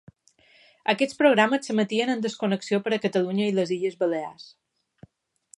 Aquests programes s'emetien en desconnexió per a Catalunya i les Illes Balears.